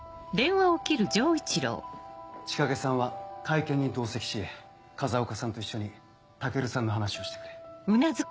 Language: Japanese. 千景さんは会見に同席し風岡さんと一緒に武尊さんの話をしてくれ。